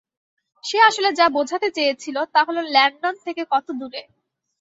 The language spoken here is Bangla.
সে আসলে যা বোঝাতে চেয়েছিল তা হল ল্যান্ডন থেকে কত দূরে।